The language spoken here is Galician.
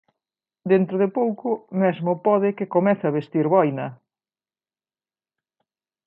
Dentro de pouco mesmo pode que comece a vestir boina.